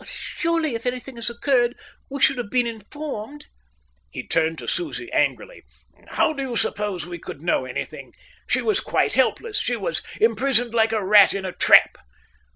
"Surely if anything had occurred, we should have been informed." He turned to Susie angrily. "How do you suppose we could know anything? She was quite helpless. She was imprisoned like a rat in a trap."